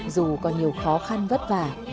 dù có nhiều khó khăn vất vả